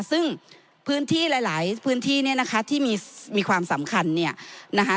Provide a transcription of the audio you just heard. ซึ่งพื้นที่หลายพื้นที่เนี่ยนะคะที่มีความสำคัญเนี่ยนะคะ